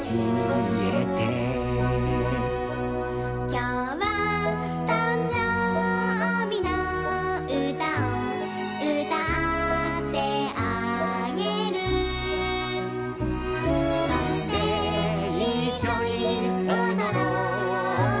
「きょうはたんじょうびのうたをうたってあげる」「そしていっしょにおどろうようでをくんで、、、」